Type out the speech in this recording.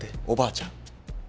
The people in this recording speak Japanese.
おばあちゃん！